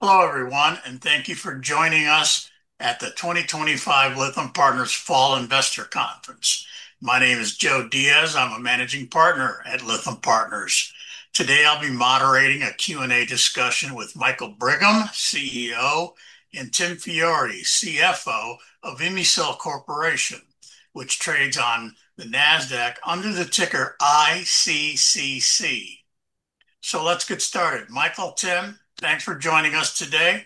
Hello, everyone, and thank you for joining us at the 2025 Lytham Partners Fall Investor Conference. My name is Joe Diaz. I'm a Managing Partner at Lithium Partners. Today, I'll be moderating a Q&A discussion with Michael Brigham, CEO, and Tim Fiori, CFO of ImmuCell Corporation, which trades on the NASDAQ under the ticker ICCC. Let's get started. Michael, Tim, thanks for joining us today.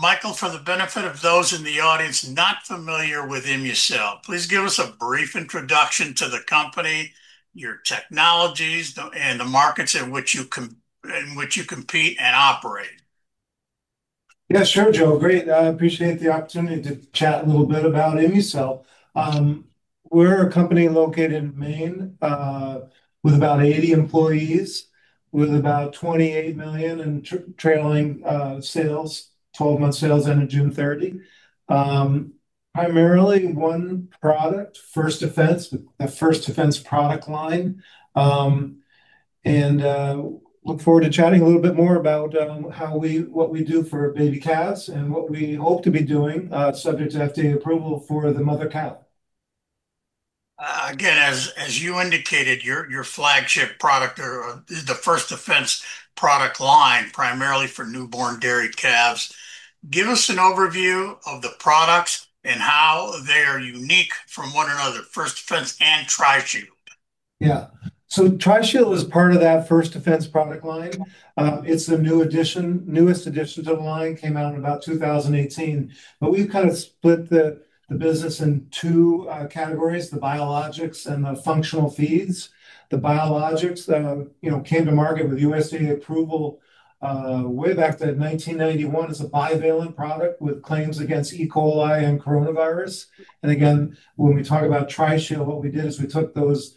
Michael, for the benefit of those in the audience not familiar with ImmuCell, please give us a brief introduction to the company, your technologies, and the markets in which you compete and operate. Yeah, sure, Joe. Great. I appreciate the opportunity to chat a little bit about ImmuCell. We're a company located in Maine, with about 80 employees, with about $28 million in trailing 12-month sales ending June 30. Primarily, one product, First Defense, a First Defense product line. I look forward to chatting a little bit more about how we, what we do for baby calves and what we hope to be doing, subject to FDA approval, for the mother cow. Again, as you indicated, your flagship product or the First Defense product line, primarily for newborn dairy calves. Give us an overview of the products and how they are unique from one another, First Defense and Tri-Shield. Yeah. Tri-Shield was part of that First Defense product line. It's the new addition, newest addition to the line, came out in about 2018. We've kind of split the business into two categories: the biologics and the functional feeds. The biologics came to market with USDA approval, WABECT in 1991 as a bivalent product with claims against E. coli and coronavirus. When we talk about Tri-Shield, what we did is we took that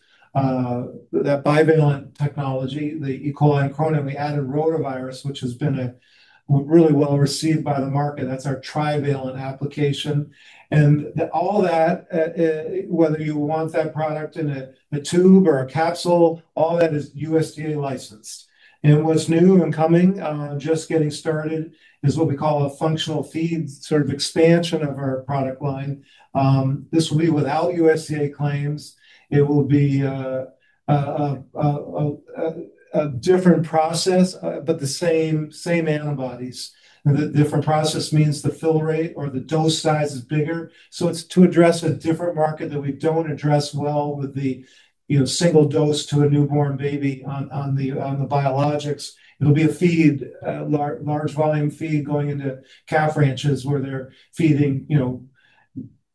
bivalent technology, the E. coli and corona, and we added rotavirus, which has been really well received by the market. That's our trivalent application. All that, whether you want that product in a tube or a capsule, all that is USDA licensed. What's new and coming, just getting started, is what we call a functional feeds, sort of expansion of our product line. This will be without USDA claims. It will be a different process, but the same antibodies. The different process means the fill rate or the dose size is bigger. It's to address a different market that we don't address well with the single dose to a newborn baby on the biologics. It'll be a feed, large volume feed going into calf ranches where they're feeding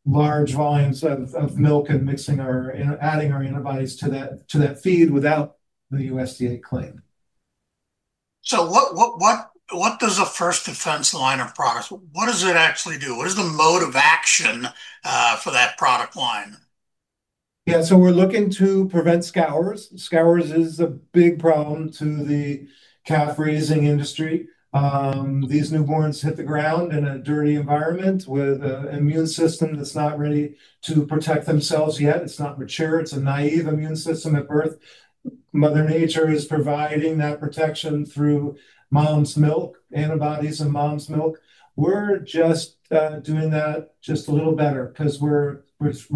large volumes of milk and mixing or adding our antibodies to that feed without the USDA claim. What does the First Defense line of products actually do? What is the mode of action for that product line? Yeah, so we're looking to prevent scours. Scours is a big problem to the calf raising industry. These newborns hit the ground in a dirty environment with an immune system that's not ready to protect themselves yet. It's not mature. It's a naive immune system at birth. Mother Nature is providing that protection through mom's milk, antibodies in mom's milk. We're just doing that just a little better because we're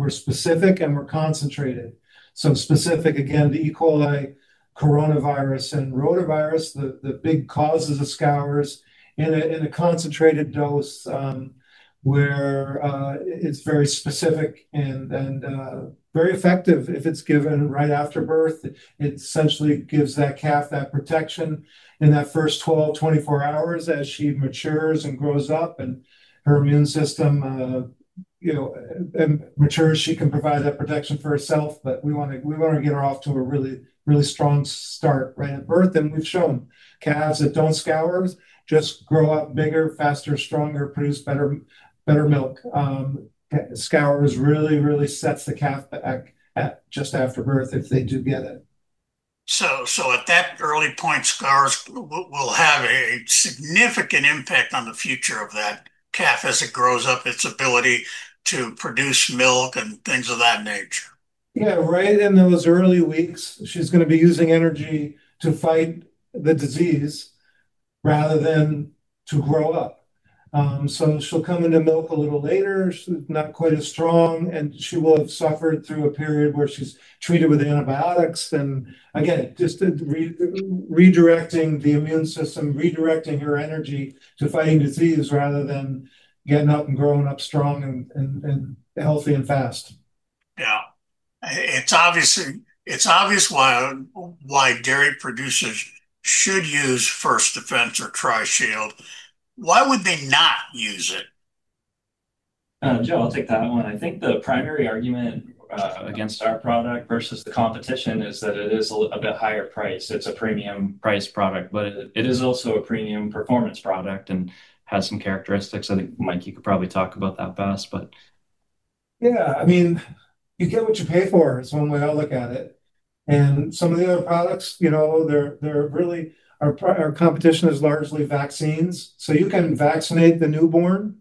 specific and we're concentrated. Specific, again, the E. coli, coronavirus, and rotavirus, the big causes of scours, and in a concentrated dose where it's very specific and very effective if it's given right after birth. It essentially gives that calf that protection in that first 12-24 hours as she matures and grows up and her immune system, you know, matures. She can provide that protection for herself, but we want to get her off to a really, really strong start right at birth. We've shown calves that don't scour just grow up bigger, faster, stronger, produce better, better milk. Scours really, really sets the calf back just after birth if they do get it. At that early point, scours will have a significant impact on the future of that calf as it grows up, its ability to produce milk and things of that nature. Yeah, right in those early weeks, she's going to be using energy to fight the disease rather than to grow up. She'll come into milk a little later, not quite as strong, and she will have suffered through a period where she's treated with antibiotics. Again, just redirecting the immune system, redirecting her energy to fighting disease rather than getting up and growing up strong and healthy and fast. Now, it's obvious why dairy producers should use First Defense or Tri-Shield. Why would they not use it? Joe, I'll take that one. I think the primary argument against our product versus the competition is that it is a bit higher priced. It's a premium price product, but it is also a premium performance product and has some characteristics. I think Michael could probably talk about that best. Yeah, I mean, you get what you pay for is one way I look at it. Some of the other products, you know, they're really, our competition is largely vaccines. You can vaccinate the newborn,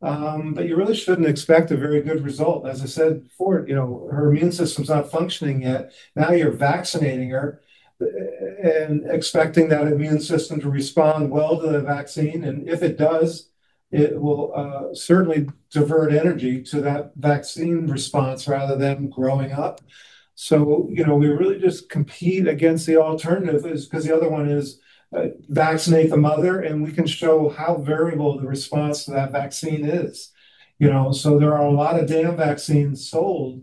but you really shouldn't expect a very good result. As I said before, her immune system's not functioning yet. Now you're vaccinating her and expecting that immune system to respond well to the vaccine. If it does, it will certainly divert energy to that vaccine response rather than growing up. We really just compete against the alternatives because the other one is vaccinate the mother, and we can show how variable the response to that vaccine is. There are a lot of damn vaccines sold,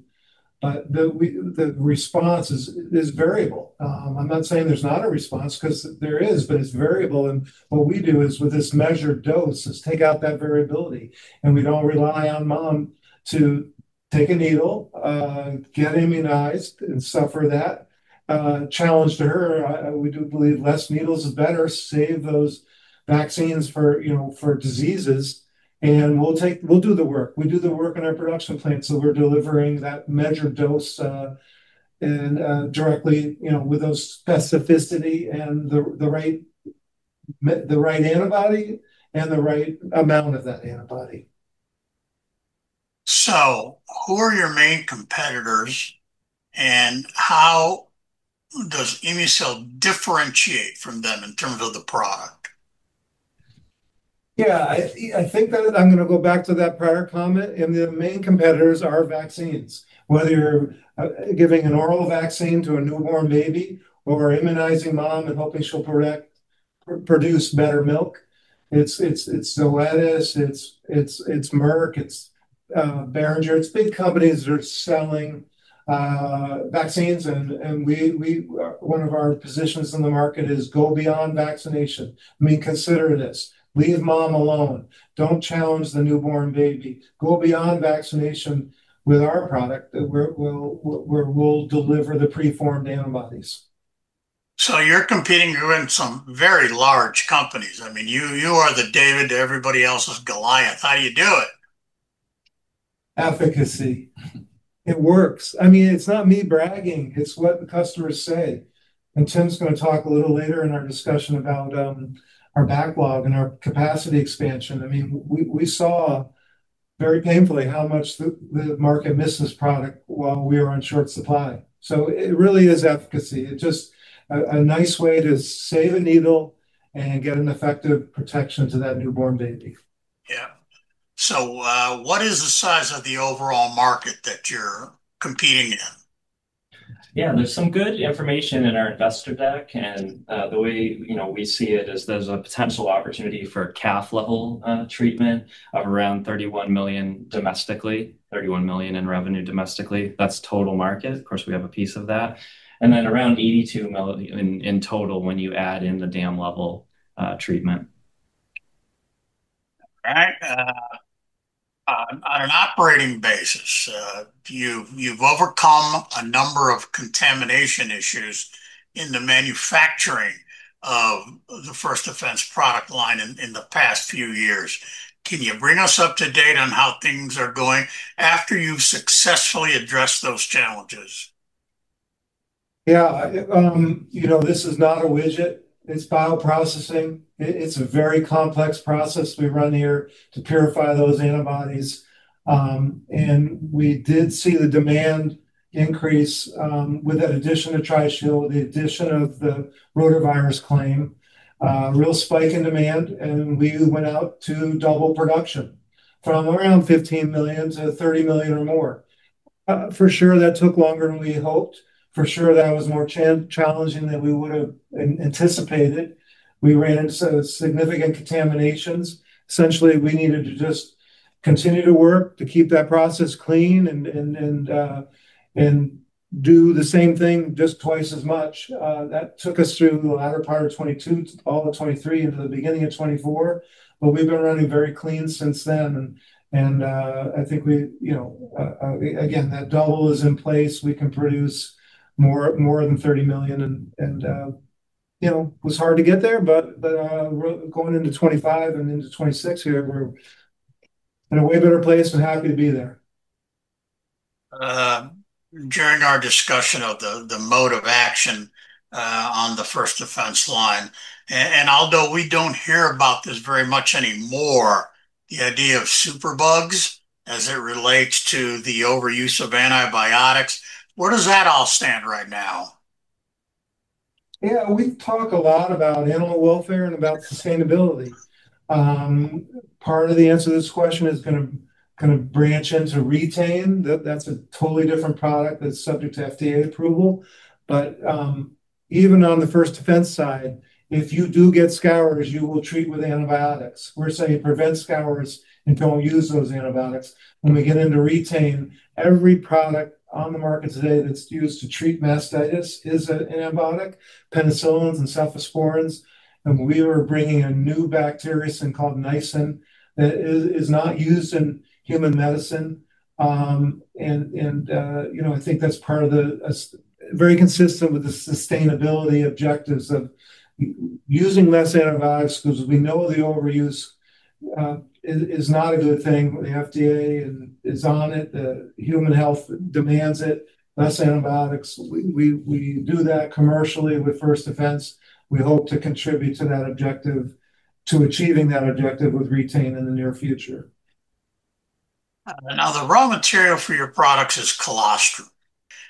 but the response is variable. I'm not saying there's not a response because there is, but it's variable. What we do is with this measured dose, let's take out that variability. We don't rely on mom to take a needle, get immunized and suffer that challenge to her. We do believe less needles are better, save those vaccines for, you know, for diseases. We'll take, we'll do the work. We do the work in our production plant. We're delivering that measured dose, and, directly, you know, with those specificity and the right, the right antibody and the right amount of that antibody. Who are your main competitors and how does ImmuCell differentiate from them in terms of the product? I think that I'm going to go back to that prior comment. The main competitors are vaccines, whether you're giving an oral vaccine to a newborn baby or immunizing mom and hoping she'll produce better milk. It's Zoetis, it's Merck, it's big companies that are selling vaccines. One of our positions in the market is go beyond vaccination. I mean, consider this, leave mom alone. Don't challenge the newborn baby. Go beyond vaccination with our product. We'll deliver the preformed antibodies. You're competing against some very large companies. I mean, you are the David to everybody else's Goliath. How do you do it? Efficacy. It works. I mean, it's not me bragging. It's what the customers say. Tim's going to talk a little later in our discussion about our backlog and our capacity expansion. We saw very painfully how much the market missed this product while we were in short supply. It really is efficacy. It's just a nice way to save a needle and get an effective protection to that newborn baby. What is the size of the overall market that you're competing in? There's some good information in our investor deck, and the way, you know, we see it is there's a potential opportunity for a calf-level treatment of around $31 million domestically, $31 million in revenue domestically. That's total market. Of course, we have a piece of that, and then around $82 million in total when you add in the dam-level treatment. On an operating basis, you've overcome a number of contamination issues in the manufacturing of the First Defense product line in the past few years. Can you bring us up to date on how things are going after you've successfully addressed those challenges? Yeah, you know, this is not a widget. It's bioprocessing. It's a very complex process we run here to purify those antibodies. We did see the demand increase with that addition to Tri-Shield, the addition of the rotavirus claim, a real spike in demand. We went out to double production from around $15 million to $30 million or more. For sure, that took longer than we hoped. For sure, that was more challenging than we would have anticipated. We ran into significant contaminations. Essentially, we needed to just continue to work to keep that process clean and do the same thing, just twice as much. That took us through the latter part of 2022, all of 2023 into the beginning of 2024. We've been running very clean since then. I think we, you know, again, that double is in place. We can produce more than $30 million. It was hard to get there, but we're going into 2025 and into 2026 here. We're in a way better place and happy to be there. During our discussion of the mode of action on the First Defense line, although we don't hear about this very much anymore, the idea of superbugs as it relates to the overuse of antibiotics, where does that all stand right now? Yeah, we talk a lot about animal welfare and about sustainability. Part of the answer to this question is going to bring a chance to Re-Tain. That's a totally different product that's subject to FDA approval. Even on the First Defense side, if you do get scours, you will treat with antibiotics. We're saying prevent scours and don't use those antibiotics. When we get into Re-Tain, every product on the market today that's used to treat mastitis is an antibiotic, penicillins and cephalosporins. We are bringing in a new bacteria called niacin that is not used in human medicine. I think that's very consistent with the sustainability objectives of using less antibiotics because we know the overuse is not a good thing. The FDA is on it. The human health demands it, less antibiotics. We do that commercially with First Defense. We hope to contribute to achieving that objective with Re-Tain in the near future. Now, the raw material for your products is colostrum.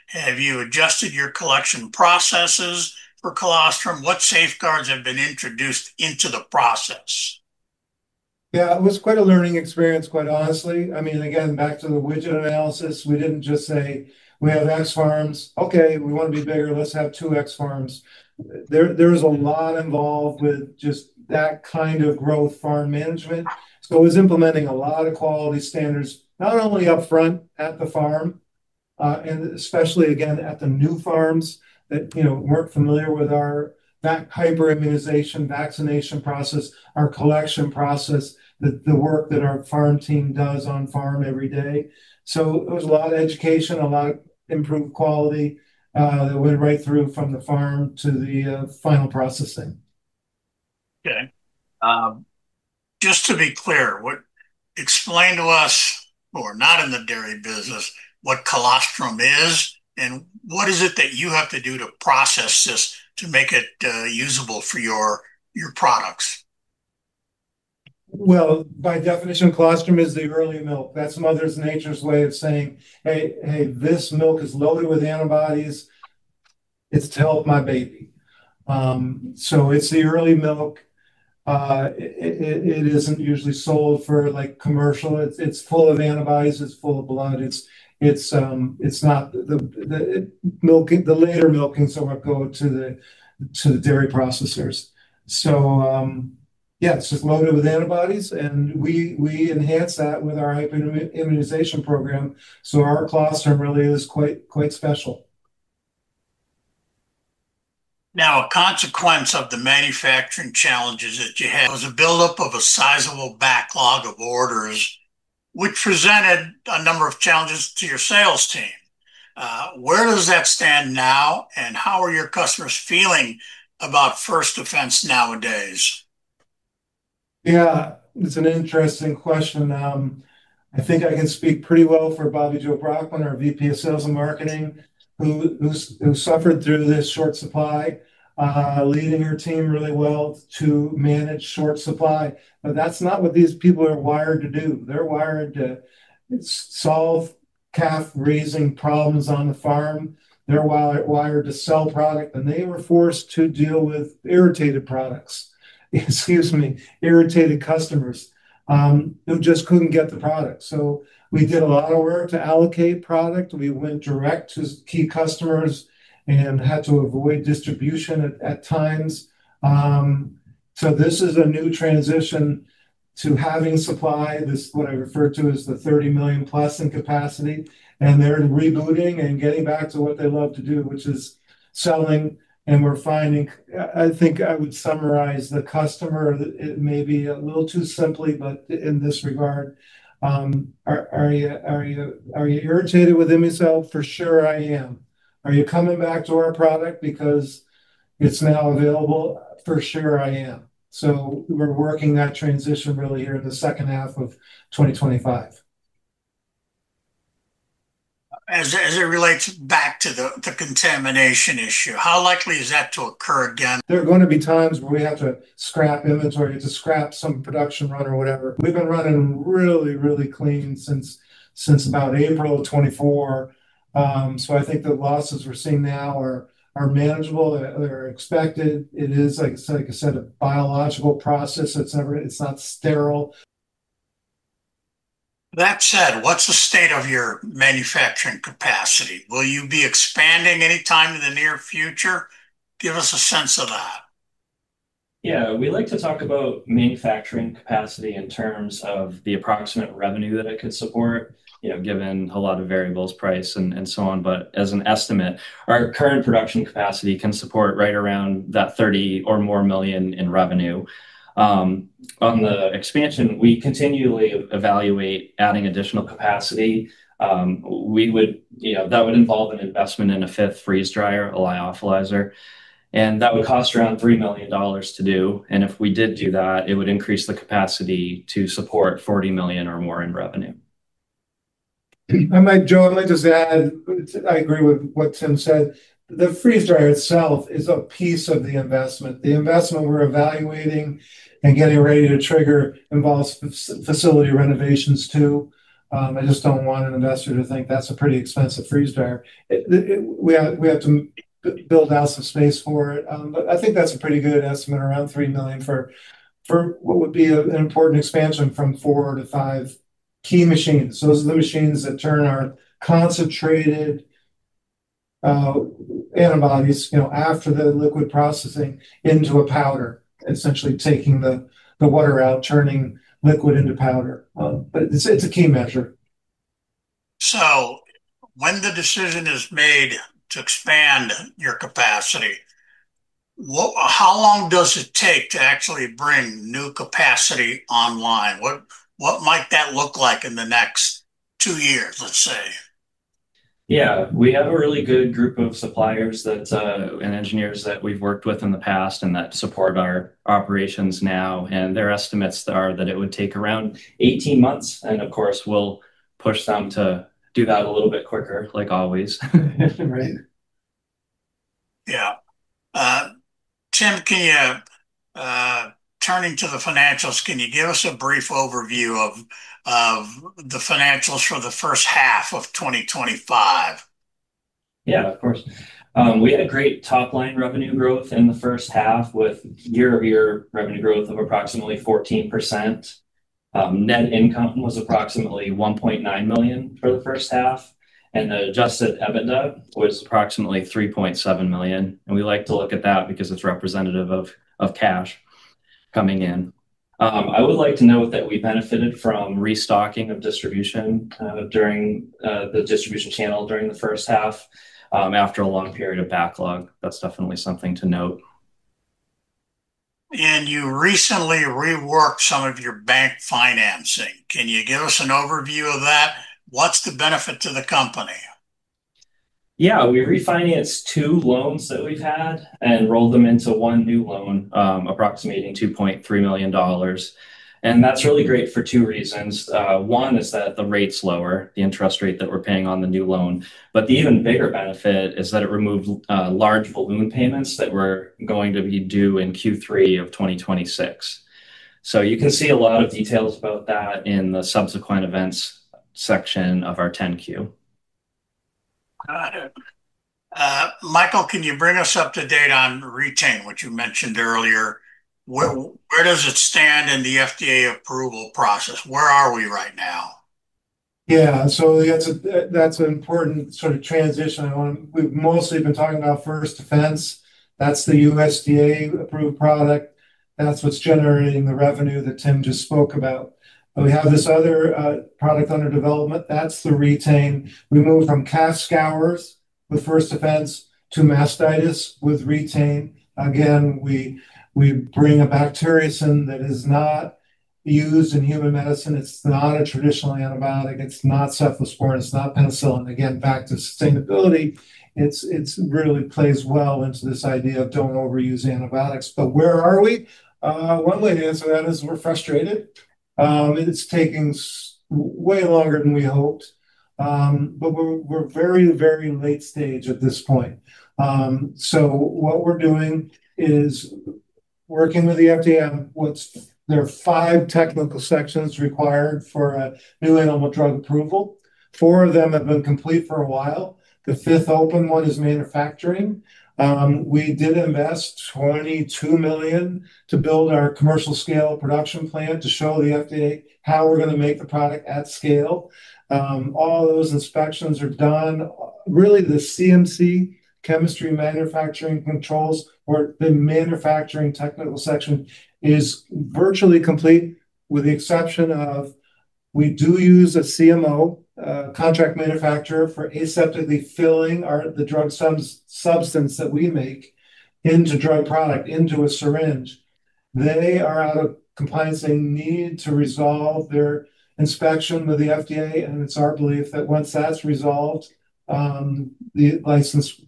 Have you adjusted your collection processes for colostrum? What safeguards have been introduced into the process? Yeah, it was quite a learning experience, quite honestly. I mean, again, back to the widget analysis, we didn't just say we have X farms. Okay, we want to be bigger. Let's have 2X farms. There is a lot involved with just that kind of growth farm management. It was implementing a lot of quality standards, not only up front at the farm, and especially again at the new farms that, you know, weren't familiar with our hyperimmunization vaccination process, our collection process, the work that our farm team does on farm every day. It was a lot of education, a lot of improved quality that went right through from the farm to the final processing. Just to be clear, explain to us, who are not in the dairy business, what colostrum is and what is it that you have to do to process this to make it usable for your products? By definition, colostrum is the early milk. That's mother's nature's way of saying, "Hey, hey, this milk is loaded with antibodies. It's to help my baby." It's the early milk. It isn't usually sold for commercial use. It's full of antibodies. It's full of blood. It's not the latter milk and so much goes to the dairy processors. It's just loaded with antibodies and we enhance that with our hyperimmunization program. Our colostrum really is quite special. Now, a consequence of the manufacturing challenges that you had was a buildup of a sizable backlog of orders, which presented a number of challenges to your sales team. Where does that stand now, and how are your customers feeling about First Defense nowadays? Yeah, it's an interesting question. I think I can speak pretty well for Bobbi Jo Brockmann, our VP of Sales and Marketing, who suffered through this short supply, leading her team really well to manage short supply. That's not what these people are wired to do. They're wired to solve calf-raising problems on the farm. They're wired to sell product, and they were forced to deal with irritated customers who just couldn't get the product. We did a lot of work to allocate product. We went direct to key customers and had to avoid distribution at times. This is a new transition to having supply. This is what I refer to as the $30 million+ in capacity. They're rebooting and getting back to what they love to do, which is selling. We're finding, I think I would summarize the customer, and it may be a little too simply, but in this regard, are you irritated with ImmuCell? For sure, I am. Are you coming back to our product because it's now available? For sure, I am. We're working that transition really here in the second half of 2025. As it relates back to the contamination issue, how likely is that to occur again? There are going to be times where we have to scrap inventory, to scrap some production run or whatever. We've been running really, really clean since about April of 2024. I think the losses we're seeing now are manageable. They're expected. It is, like I said, a biological process. It's not sterile. That said, what's the state of your manufacturing capacity? Will you be expanding anytime in the near future? Give us a sense of that. Yeah, we like to talk about manufacturing capacity in terms of the approximate revenue that it could support, you know, given a lot of variables, price and so on. As an estimate, our current production capacity can support right around that $30 million or more in revenue. On the expansion, we continually evaluate adding additional capacity. That would involve an investment in a fifth freeze dryer, a lyophilizer, and that would cost around $3 million to do. If we did do that, it would increase the capacity to support $40 million or more in revenue. I might join and just add, I agree with what Tim said. The freeze dryer itself is a piece of the investment. The investment we're evaluating and getting ready to trigger involves facility renovations too. I just don't want an investor to think that's a pretty expensive freeze dryer. We have to build out some space for it. I think that's a pretty good estimate, around $3 million for what would be an important expansion from four to five key machines. Those are the machines that turn our concentrated antibodies, you know, after the liquid processing into a powder, essentially taking the water out, turning liquid into powder. It's a key measure. When the decision is made to expand your capacity, how long does it take to actually bring new capacity online? What might that look like in the next two years, let's say? We have a really good group of suppliers and engineers that we've worked with in the past and that support our operations now. Their estimates are that it would take around 18 months. Of course, we'll push them to do that a little bit quicker, like always. Yeah. Tim, turning to the financials, can you give us a brief overview of the financials for the first half of 2025? Yeah, of course. We had great top line revenue growth in the first half with year-over-year revenue growth of approximately 14%. Net income was approximately $1.9 million for the first half. The adjusted EBITDA was approximately $3.7 million. We like to look at that because it's representative of cash coming in. I would like to note that we benefited from restocking of distribution during the distribution channel during the first half after a long period of backlog. That's definitely something to note. You recently reworked some of your bank financing. Can you give us an overview of that? What's the benefit to the company? Yeah, we refinanced two loans that we've had and rolled them into one new loan approximating $2.3 million. That's really great for two reasons. One is that the rate's lower, the interest rate that we're paying on the new loan. The even bigger benefit is that it removed large balloon payments that were going to be due in Q3 of 2026. You can see a lot of details about that in the subsequent events section of our 10-Q. Michael, can you bring us up to date on Re-Tain, which you mentioned earlier? Where does it stand in the FDA approval process? Where are we right now? Yeah, so that's an important sort of transition. We've mostly been talking about First Defense. That's the USDA-approved product. That's what's generating the revenue that Tim just spoke about. We have this other product under development. That's the Re-Tain. We moved from calf scours with First Defense to mastitis with Re-Tain. Again, we bring a bacteria that is not used in human medicine. It's not a traditional antibiotic. It's not cephalosporin. It's not penicillin. Again, back to sustainability. It really plays well into this idea of don't overuse antibiotics. Where are we? One way to answer that is we're frustrated. It's taking way longer than we hoped. We're very, very late stage at this point. What we're doing is working with the FDA. There are five technical sections required for a new animal drug approval. Four of them have been complete for a while. The fifth open one is manufacturing. We did invest $22 million to build our commercial scale production plant to show the FDA how we're going to make the product at scale. All those inspections are done. Really, the CMC, Chemistry Manufacturing Controls, or the manufacturing technical section is virtually complete with the exception of we do use a CMO, a contract manufacturer, for aseptically filling the drug substance that we make into drug product, into a syringe. They are out of compliance. They need to resolve their inspection with the FDA. It's our belief that once that's resolved, the license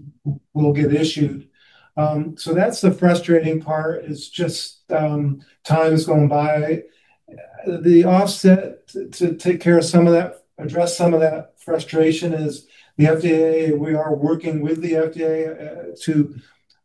will get issued. That's the frustrating part, just time's going by. The offset to take care of some of that, address some of that frustration is the FDA. We are working with the FDA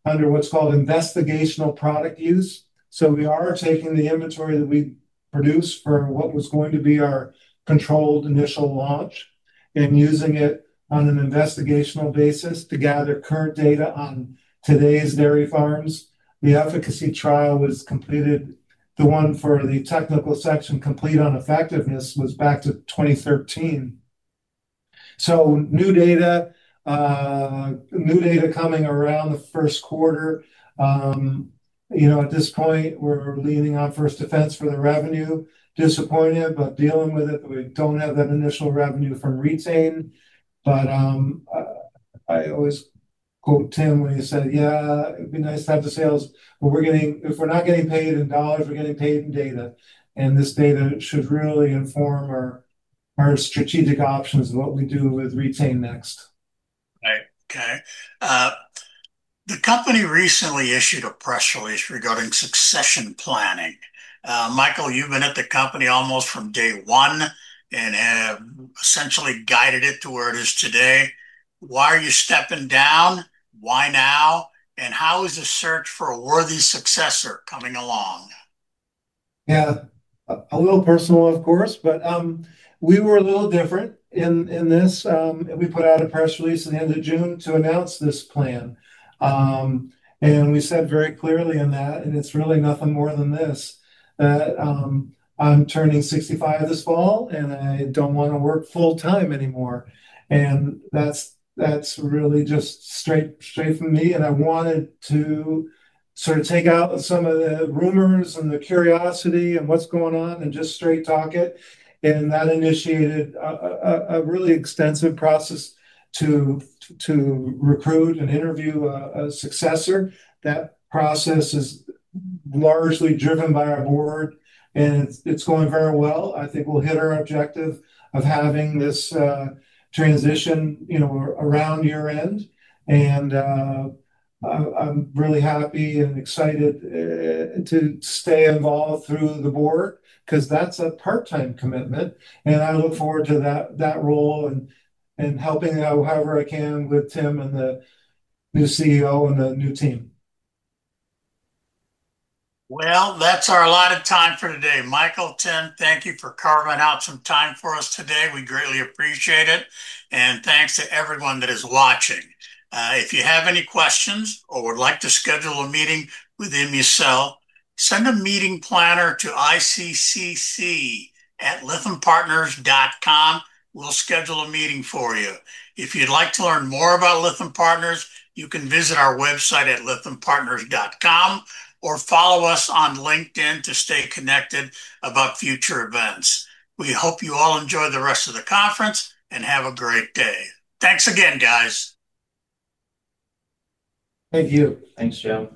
under what's called investigational product use. We are taking the inventory that we produce for what was going to be our controlled initial launch and using it on an investigational basis to gather current data on today's dairy farms. The efficacy trial was completed. The one for the technical section complete on effectiveness was back to 2013. New data, new data coming around the first quarter. At this point, we're leaning on First Defense for the revenue, disappointed, but dealing with it. We don't have that initial revenue from Re-Tain. I always quote Tim when he said, "Yeah, it'd be nice to have the sales, but we're getting, if we're not getting paid in dollars, we're getting paid in data." This data should really inform our strategic options of what we do with Re-Tain next. Right. Okay. The company recently issued a press release regarding succession planning. Michael, you've been at the company almost from day one and have essentially guided it to where it is today. Why are you stepping down? Why now? How is the search for a worthy successor coming along? Yeah, a little personal, of course, but we were a little different in this. We put out a press release at the end of June to announce this plan. We said very clearly in that, and it's really nothing more than this, that I'm turning 65 this fall and I don't want to work full-time anymore. That's really just straight from me. I wanted to sort of take out some of the rumors and the curiosity and what's going on and just straight talk it. That initiated a really extensive process to recruit and interview a successor. That process is largely driven by our Board, and it's going very well. I think we'll hit our objective of having this transition around year-end. I'm really happy and excited to stay involved through the Board because that's a part-time commitment. I look forward to that role and helping out however I can with Tim and the new CEO and the new team. That's our allotted time for today. Michael, Tim, thank you for carving out some time for us today. We greatly appreciate it. Thanks to everyone that is watching. If you have any questions or would like to schedule a meeting with ImmuCell, send a meeting planner to iccc@lythampartners.com. We'll schedule a meeting for you. If you'd like to learn more about Lytham Partners, you can visit our website at lythampartners.com or follow us on LinkedIn to stay connected about future events. We hope you all enjoy the rest of the conference and have a great day. Thanks again, guys. Thank you. Thanks, Joe.